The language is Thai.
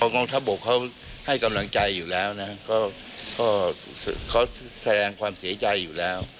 กองทัพบกเขาให้กำลังใจอยู่แล้วนะก็เขาแสดงความเสียใจอยู่แล้ว